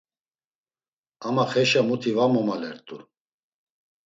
Ama xeşa muti va momalert̆u.